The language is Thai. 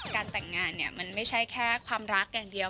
การแต่งงานเนี่ยมันไม่ใช่แค่ความรักอย่างเดียว